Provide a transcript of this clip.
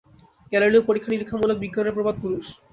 Galileo পরীক্ষা-নিরীক্ষামূলক বিজ্ঞানের প্রবাদ পুরুষ।